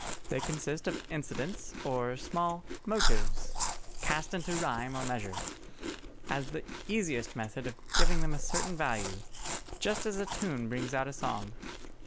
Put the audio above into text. They consist of incidents or small "motives" cast into rhyme or measure, as the easiest method of giving them a certain value, just as a tune brings out a song.